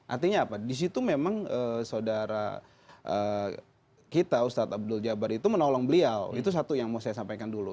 artinya apa di situ memang saudara kita ustadz abdul jabar itu menolong beliau itu satu yang mau saya sampaikan dulu